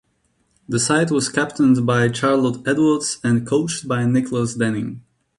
The side was captained by Charlotte Edwards and coached by Nicholas Denning.